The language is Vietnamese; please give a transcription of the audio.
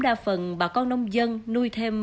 đa phần bà con nông dân nuôi thêm